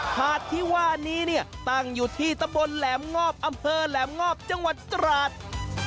หาดที่ว่านี้เนี่ยตั้งอยู่ที่ตะบนแหลมงอบอำเภอแหลมงอบจังหวัดตราด